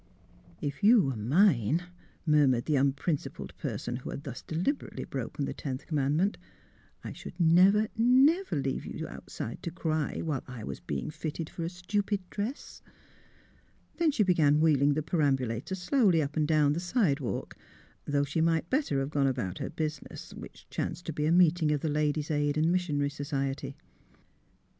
'* If you were mine," murmured the unprin cipled person who had thus deliberately broken the tenth commandment, " I should never, never leave you outside to cry, while I was being fitted for a stupid dress." Then she began wheeling the perambulator slowly up and down the sidewalk, though she might better have gone about her business which chanced to be a meeting of the Ladies' Aid and Missionary Society.